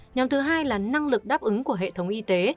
nhóm thứ hai là năng lực đáp ứng của hệ thống y tế